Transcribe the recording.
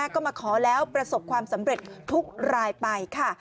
ก็มาขอแล้วประสบความสำเร็จทุกรายไปค่ะ